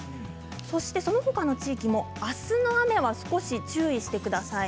そして、そのほかの地域もあすの雨は少し注意してください。